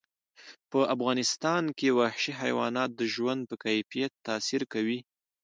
په افغانستان کې وحشي حیوانات د ژوند په کیفیت تاثیر کوي.